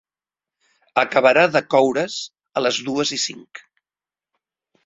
Acabarà de coure's a les dues i cinc.